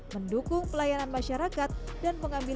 mendukung pelayanan masyarakat dan mendukung pendidikan